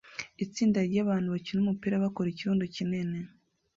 Itsinda ryabantu bakina umupira bakora ikirundo kinini